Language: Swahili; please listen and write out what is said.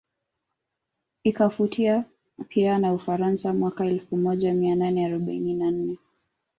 Ikafuatia pia na Ufaransa mwaka elfu moja mia nane arobaini na nne